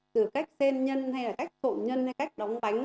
từ cách tên nhân hay là cách tổn nhân hay là cách đóng bánh